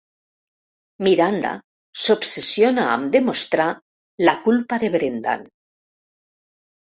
Miranda s'obsessiona amb demostrar la culpa de Brendan.